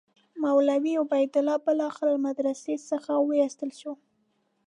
مولوي عبیدالله بالاخره له مدرسې څخه وایستل شو.